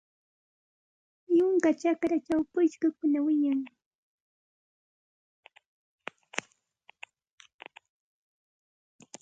Yunka chakrachaw pushkukunam wiñan.